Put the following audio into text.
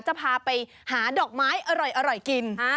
จะพาไปหาดอกไม้อร่อยกิน